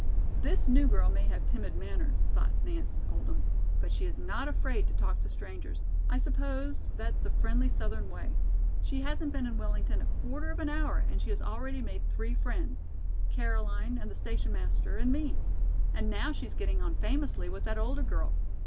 "This new girl may have timid manners," thought Nance Oldham; "but she is not afraid to talk to strangers. I suppose that's the friendly Southern way. She hasn't been in Wellington a quarter of an hour and she has already made three friends, Caroline and the station master and me. And now she's getting on famously with that older girl.